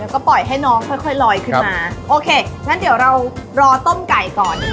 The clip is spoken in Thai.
แล้วก็ปล่อยให้น้องค่อยค่อยลอยขึ้นมาโอเคงั้นเดี๋ยวเรารอต้มไก่ก่อน